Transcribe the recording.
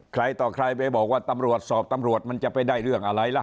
ใครต่อใครไปบอกว่าตำรวจสอบตำรวจมันจะไปได้เรื่องอะไรล่ะ